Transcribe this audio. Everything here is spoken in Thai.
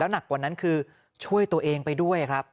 หนักกว่านั้นคือช่วยตัวเองไปด้วยครับ